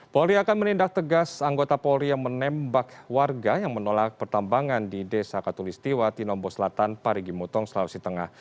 polri akan menindak tegas anggota polri yang menembak warga yang menolak pertambangan di desa katulistiwa tinombo selatan parigi mutong sulawesi tengah